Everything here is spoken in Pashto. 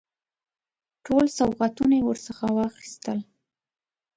ټول سوغاتونه یې ورڅخه واخیستل.